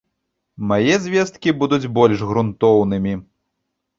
Мае звесткі будуць больш грунтоўнымі.